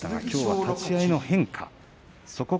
きょうは立ち合いの変化です。